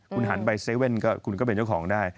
คุณหันไปเซเว่นก็เป็นเจ้าของได้